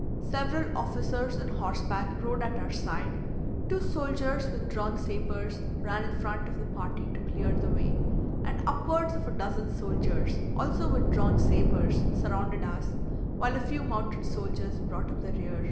Several officers on horseback rode at our side, two soldiers with drawn sabres ran in front of the party to clear the way, and upwards of a dozen soldiers, also with drawn sabres, surrounded us, while a few mounted soldiers brought up the rear.